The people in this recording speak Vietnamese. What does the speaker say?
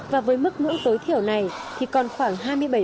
và với mức ngữ tối thiểu này thì còn khoảng